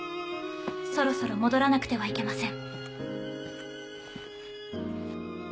そろそろ戻らなくてはいけません。